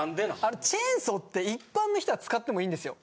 あれチェーンソーって一般の人は使ってもいいんですよ。